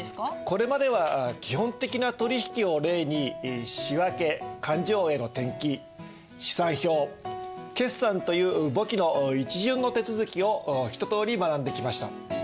これまでは基本的な取引を例に仕訳勘定への転記試算表決算という簿記の一巡の手続きを一とおり学んできました。